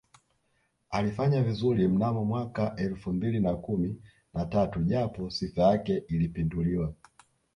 Alifanya vizuri mnamo mwaka elfu mbili na kumi na tatu japo Sifa yake ilipinduliwa